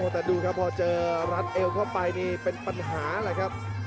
แต่ดูครับพอเจอรัดเอวเข้าไปนี่เป็นปัญหาแหละครับ